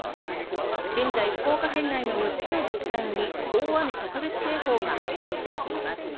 現在福岡県内の六つの自治体に大雨特別警報が発表されています。